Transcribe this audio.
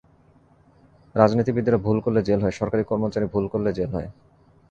রাজনীতিবিদেরা ভুল করলে জেল হয়, সরকারি কর্মচারী ভুল করলে জেল হয়।